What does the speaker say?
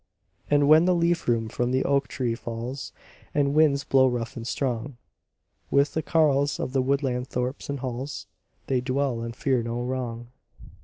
And when the leaf from the oak tree falls, And winds blow rough and strong, With the carles of the woodland thorps and halls They dwell, and fear no wrong.